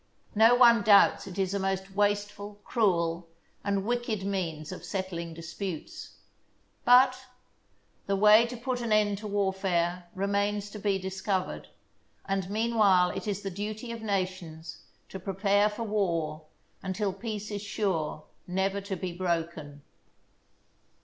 No one doubts it is a most wasteful, cruel, and wicked means of settling disputes. But — the way to put an end to warfare remains to be discovered, and mean while it is the duty of nations to prepare for war until peace is sure never to be broken.